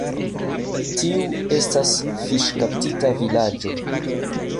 Tiu estas fiŝkaptista vilaĝo.